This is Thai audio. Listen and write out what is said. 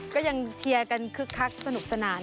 ก็ยังเชียร์กันคึกคักสนุกสนาน